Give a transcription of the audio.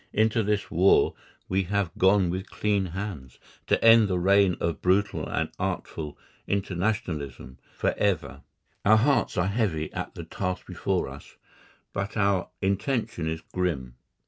Into this war we have gone with clean hands—to end the reign of brutal and artful internationalism for ever. Our hearts are heavy at the task before us, but our intention is grim.